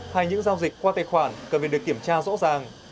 hay những giao dịch qua tài khoản cần phải được kiểm tra rõ ràng